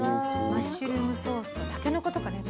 マッシュルームソースとたけのことかね